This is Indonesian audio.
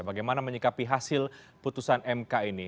bagaimana menyikapi hasil putusan mk ini